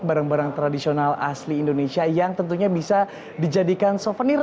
barang barang tradisional asli indonesia yang tentunya bisa dijadikan souvenir